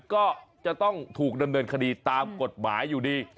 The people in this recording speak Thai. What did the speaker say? ก็จะต้องถูกดำเนินคดีตามกฎหมายอยู่ดี